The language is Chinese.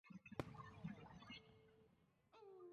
九月两军在五原一带的黄河隔岸对峙。